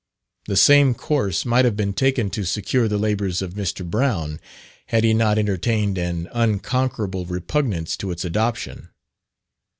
The same course might have been taken to secure the labours of Mr. Brown, had he not entertained an unconquerable repugnance to its adoption.